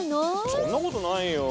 そんなことないよ。